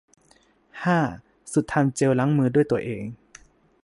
ห้า สูตรทำเจลล้างมือด้วยตัวเอง